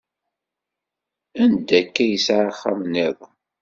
Anda akka yesɛa axxam nniḍen?